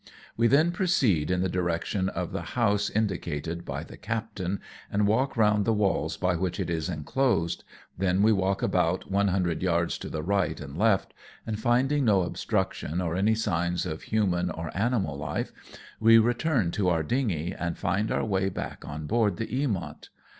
We then proceed in the direction of the house in dicated by the captain, and walk round the walls by which it is enclosed ; then we walk about one hundred yards to the right and left, and finding no obstruction or any signs of human or animal life, we return to our dingey and find our way back on board the Eamonf.